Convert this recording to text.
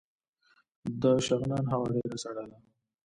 د شغنان هوا ډیره سړه ده